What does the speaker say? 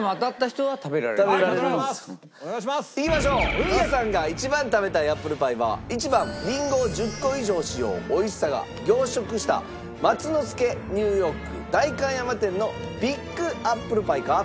フミヤさんが一番食べたいアップルパイは１番りんごを１０個以上使用美味しさが凝縮した松之助Ｎ．Ｙ．代官山店のビッグアップルパイか？